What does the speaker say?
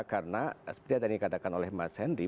karena seperti yang tadi dikatakan oleh mas hendy